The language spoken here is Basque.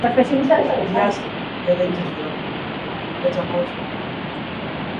Iaz ere deitu zidaten, baina niretzako oso gogorra da.